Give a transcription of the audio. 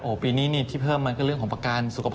ปีนี้ที่เพิ่มมาก็เรื่องของประกันสุขภาพ